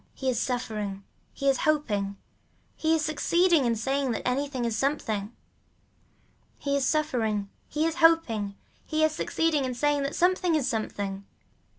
He is suffering, he is hoping, he is succeeding in saying that anything is something. He is suffering, he is hoping, he is succeeding in saying that something is something.